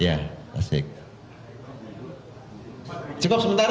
ya sudah di jokowi